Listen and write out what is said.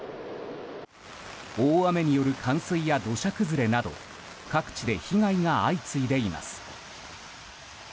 大雨による冠水や土砂崩れなど各地で被害が相次いでいます。